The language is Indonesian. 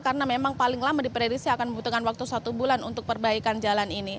karena memang paling lama diperirisi akan membutuhkan waktu satu bulan untuk perbaikan jalan ini